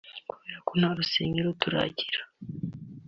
“Kubera ko nta rusengero turagira